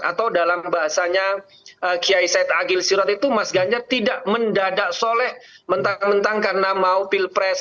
atau dalam bahasanya kiai said agil sirot itu mas ganjar tidak mendadak soleh mentang mentang karena mau pilpres